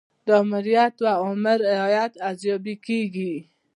د آمریت د اوامرو رعایت ارزیابي کیږي.